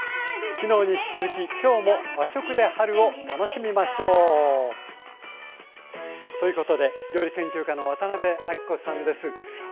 昨日に引き続き今日も和食で春を楽しみましょう！ということで料理研究家の渡辺あきこさんです。